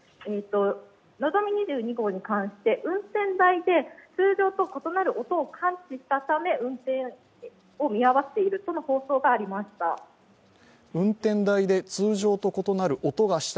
のぞみ２２号に関して、運転台で通常と異なる音を感知したため、運転を見合わせているとの放送がありました。